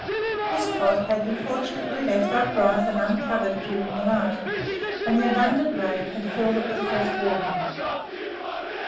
This pot had been fortunately left upright and uncoveredduring the night, and the abundant rain had filled it with fresh water.